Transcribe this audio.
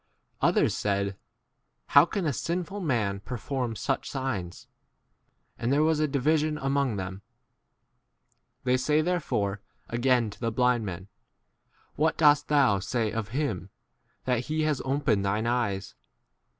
Others said, How can a sinful man perform such signs ? And there was a division J 7 among them. They say therefore f again to the blind [man], What dost thou * say of him, that he has opened thine eyes